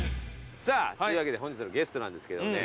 さぁというわけで本日のゲストなんですけどもね。